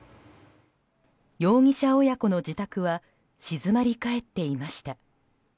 容疑者親子の自宅は静まり返っていました。